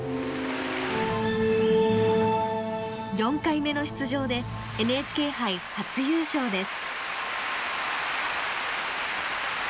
４回目の出場でＮＨＫ杯初優勝です。